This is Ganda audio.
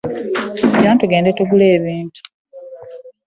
Gyangu tugende tugule ebintu.